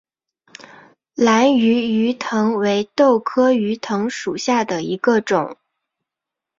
兰屿鱼藤为豆科鱼藤属下的一个种。